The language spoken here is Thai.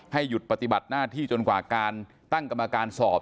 หยุดปฏิบัติหน้าที่จนกว่าการตั้งกรรมการสอบ